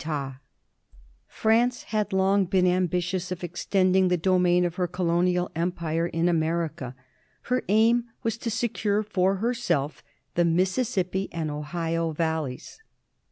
France had long been ambitious of extending the do main of her colonial empire in America. Her aim was to secure for herself the Mississippi and Ohio valleys.